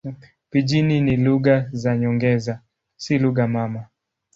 Pijini ni lugha za nyongeza, si lugha mama.